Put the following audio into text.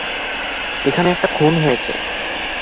এখানে একটা খুন হয়েছে।